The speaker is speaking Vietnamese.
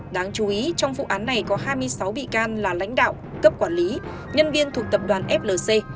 đáng chú ý trong vụ án này có hai mươi sáu bị can là lãnh đạo cấp quản lý nhân viên thuộc tập đoàn flc